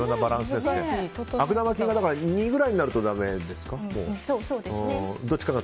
悪玉菌が２ぐらいになるとそうですね。